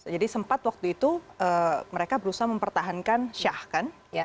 jadi sempat waktu itu mereka berusaha mempertahankan shah kan